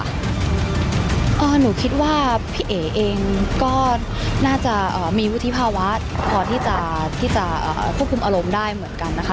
หนูคิดว่าพี่เอ๋เองก็น่าจะมีวุฒิภาวะพอที่จะควบคุมอารมณ์ได้เหมือนกันนะคะ